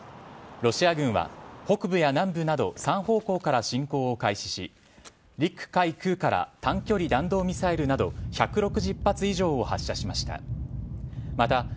ロシア軍は北部や南部など３方向から侵攻を開始し陸、海、空から短距離弾道ミサイルなど１６０発以上を発射しました。